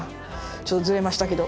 ちょっとずれましたけど。